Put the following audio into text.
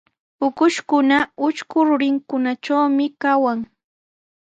Ukushkuna utrku rurinkunatrawmi kawan.